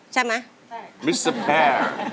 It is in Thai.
สวัสดีครับคุณหน่อย